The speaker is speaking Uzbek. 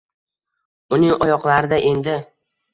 Uning oyoqlarida endi